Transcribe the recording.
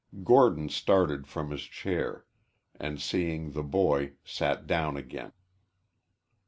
Gordon started from his chair, and, seeing the boy, sat down again.